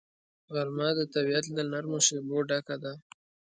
غرمه د طبیعت له نرمو شیبو ډکه ده